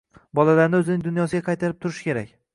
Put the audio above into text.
Bolalarni o‘zining dunyosiga qaytarib turish kerak